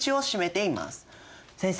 先生